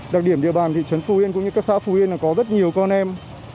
đặc điểm địa bàn thị trấn phú yên cũng như các xã phú yên là có rất nhiều con em